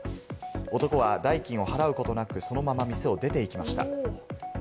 男は代金を払うことなくそのまま店を出ていきました。